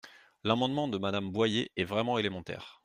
L’amendement de Madame Boyer est vraiment élémentaire.